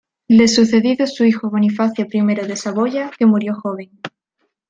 Le sucedido su hijo Bonifacio I de Saboya, que murió joven.